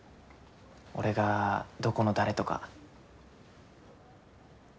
俺がどこの誰とか。